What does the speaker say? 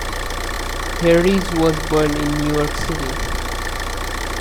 Harris was born in New York City.